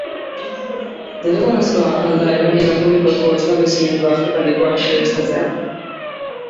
Derrigorrezkoa al da erabilera publikoko establezimenduak eta lekuak aireztatzea?